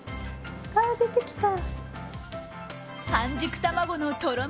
出てきた。